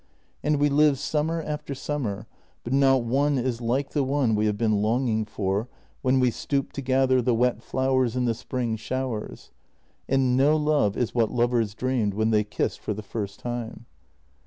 And we live sum mer after summer, but not one is like the one we have been longing for when we stooped to gather the wet flowers in the spring showers. And no love is what lovers dreamed when they kissed for the first time.